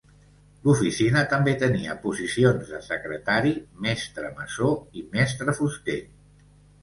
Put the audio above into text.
L'oficina també tenia posicions de Secretari, mestre Masó i mestre Fuster.